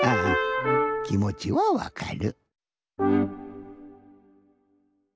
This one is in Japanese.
きもちはわかる。